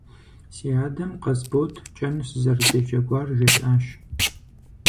Си адэм Къасбот кӀэн сызэрыдэджэгуар жесӀащ.